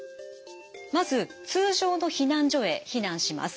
まず通常の避難所へ避難します。